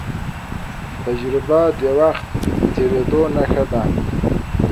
تجربه د وخت د تېرېدو نښه ده.